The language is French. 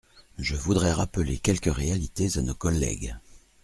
Je voudrais rappeler quelques réalités à nos collègues.